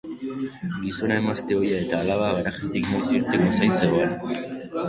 Gizona emazte ohia eta alaba garajetik noiz irtengo zain zegoen.